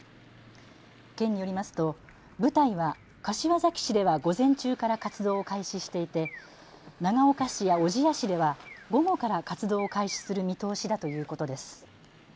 県によりますと部隊は柏崎市では午前中から活動を開始していて長岡市や小千谷市では午後から活動を開始する見通しだということです。